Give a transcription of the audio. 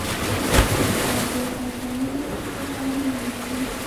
دا د ارګانونو په څېر اړين رول لري.